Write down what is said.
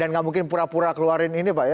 dan gak mungkin pura pura keluarin ini pak ya